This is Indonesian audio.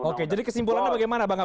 oke jadi kesimpulannya bagaimana bang ab